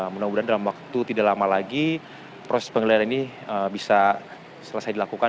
menunggu dalam waktu tidak lama lagi proses penggeledahan ini bisa selesai dilakukan